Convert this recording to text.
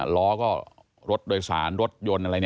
ล้อก็รถโดยสารรถยนต์อะไร